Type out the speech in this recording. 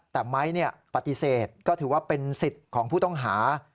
แต่ไม้ปฏิเสธก็ถือว่าเป็นสิทธิ์ของผู้ต้องหา